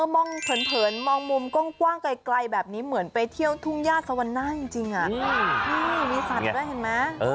มองเผินมองมุมกว้างไกลแบบนี้เหมือนไปเที่ยวทุ่งญาติสวรรณาจริงมีสัตว์ด้วยเห็นไหม